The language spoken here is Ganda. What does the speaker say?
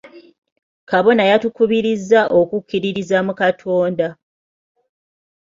Kabona yatukubirizza okukkiririza mu Katonda.